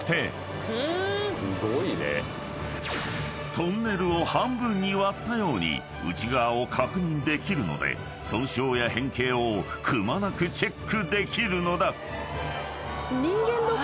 ［トンネルを半分に割ったように内側を確認できるので損傷や変形をくまなくチェックできるのだ］